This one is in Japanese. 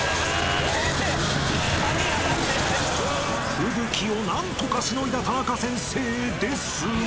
［吹雪を何とかしのいだタナカ先生ですが］